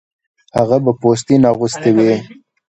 هغه به پوستین اغوستې وې